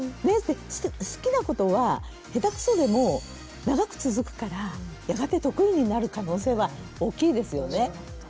好きなことは下手くそでも長く続くからやがて得意になる可能性は大きいですよね。